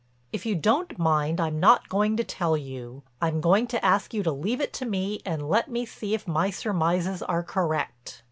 "If you don't mind, I'm not going to tell you. I'm going to ask you to leave it to me and let me see if my surmises are correct.